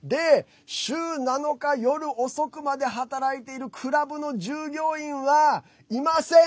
週７日、夜遅くまで働いているクラブの従業員はいません！